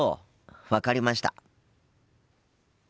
分かりました。